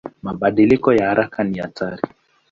Mabadiliko ya haraka ni hatari.